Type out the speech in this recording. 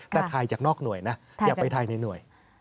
แต่ถ่ายจากนอกหน่วยนะอยากไปถ่ายในหน่วย